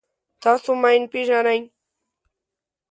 تاسو ماین پېژنئ.